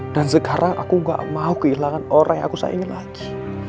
dan sekarang aku gak mau kehilangan orang yang aku sayangin lagi